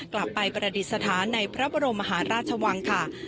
กลับไปประดิษฐานในพระบรมมหาราชวังค่ะ